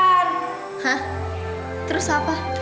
hah terus apa